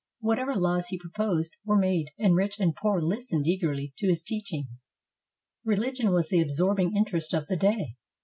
Whatever laws he proposed were made, and rich and poor listened eagerly to his teachings. Religion was the absorbing interest of the day.